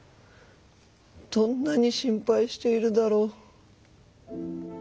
どんなにしんぱいしているだろう」。